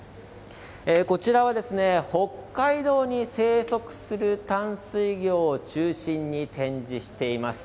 こちらは北海道に生息する淡水魚を中心に展示しています。